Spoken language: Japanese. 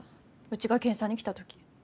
うちが検査に来た時。